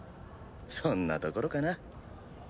そんなところかな。